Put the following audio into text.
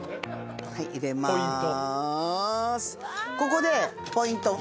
ここでポイント。